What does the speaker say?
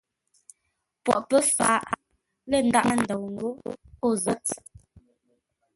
Poghʼ pə̌ fǎʼ lə́ ndághʼ ndou ńgó o zə̂t.